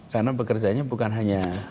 karena bekerjanya bukan hanya